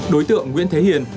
đối tượng nguyễn thế hiền